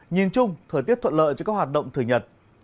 nhìn chung thời tiết thuận lợi cho các hoạt động thời nhật